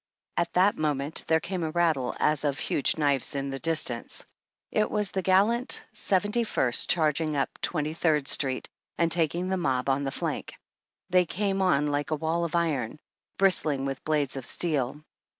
At that moment there came a rattle as of huge knives in the distance. It was the gallant Seventy first charging up Twenty third street, and taking the mob on the flank. They came on like a wall of iron, bristling with blades of steel.